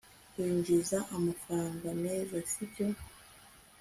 winjiza amafaranga meza, sibyo